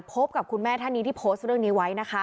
พบกับคุณแม่ท่านนี้ที่โพสต์เรื่องนี้ไว้นะคะ